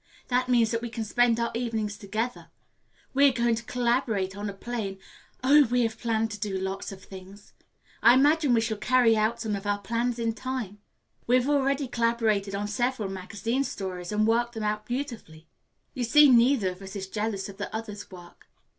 That means that we can spend our evenings together. We are going to collaborate on a play and, oh, we have planned to do lots of things. I imagine we shall carry out some of our plans in time. We have already collaborated on several magazine stories and worked them out beautifully. You see, neither of us is jealous of the other's work.